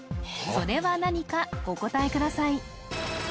それは何かお答えください